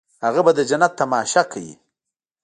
هغه به د جنت تماشه کوي.